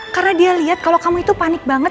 karena dia liat kalo kamu itu panik banget